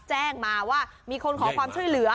แจ้งมาว่ามีคนขอความช่วยเหลือ